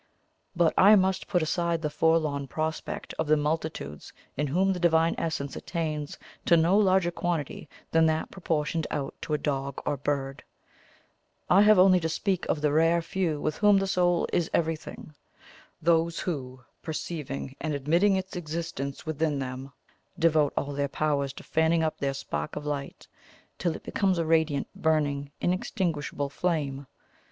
But I must put aside the forlorn prospect of the multitudes in whom the Divine Essence attains to no larger quantity than that proportioned out to a dog or bird I have only to speak of the rare few with whom the soul is everything those who, perceiving and admitting its existence within them, devote all their powers to fanning up their spark of light till it becomes a radiant, burning, inextinguishable flame.